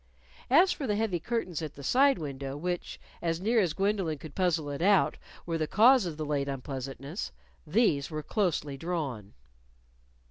As for the heavy curtains at the side window, which as near as Gwendolyn could puzzle it out were the cause of the late unpleasantness, these were closely drawn.